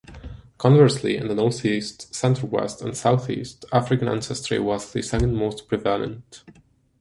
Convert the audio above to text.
Conversely, in the Northeast, Center-West and Southeast, African ancestry was the second most prevalent.